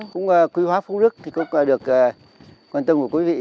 cũng quy hoá phú đức cũng được quan tâm của quý vị